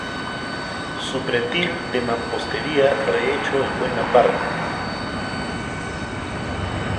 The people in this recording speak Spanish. Su pretil de mampostería rehecho en buena parte.